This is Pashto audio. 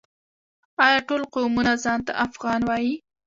آیا ټول قومونه ځان ته افغان وايي؟